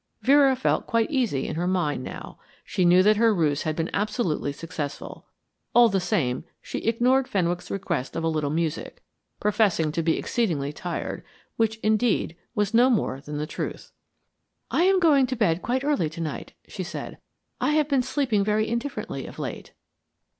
Vera felt quite easy in her mind now; she knew that her ruse had been absolutely successful. All the same, she ignored Fenwick's request of a little music, professing to be exceedingly tired, which, indeed, was no more than the truth. "I am going to bed quite early to night," she said. "I have been sleeping very indifferently of late."